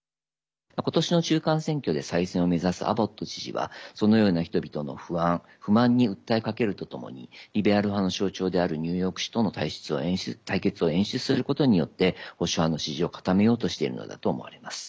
今年の中間選挙で再選を目指すアボット知事はそのような人々の不安、不満に訴えかけるとともにリベラル派の象徴であるニューヨーク市との対決を演出することによって保守派の支持を固めようとしているのだと思われます。